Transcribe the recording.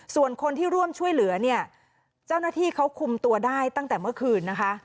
ส่วนคนที่ร่วมช่วยเหลือเนี่ยเจ้าหน้าที่เขาคุมตัวได้ตั้งแต่เมื่อคืนนะคะ